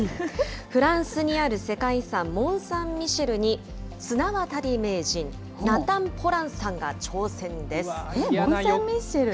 フランスにある世界遺産、モンサンミシェルに綱渡り名人、ナタン・ポランさんが挑戦です。